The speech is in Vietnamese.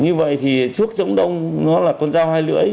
như vậy thì chuốc giống đông nó là con dao hai lưỡi